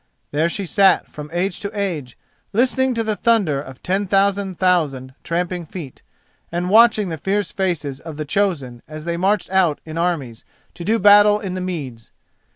There she sat from age to age, listening to the thunder of ten thousand thousand tramping feet, and watching the fierce faces of the chosen as they marched out in armies to do battle in the meads.